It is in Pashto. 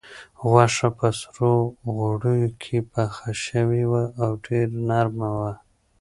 غوښه په سرو غوړیو کې پخه شوې وه او ډېره نرمه وه.